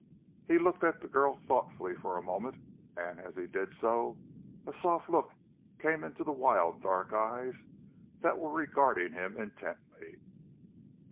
He looked at the girl thoughtfully for a moment, and as he did so a soft look came in the wild, dark eyes that were regarding him intently.